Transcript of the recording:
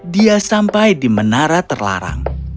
dia sampai di menara terlarang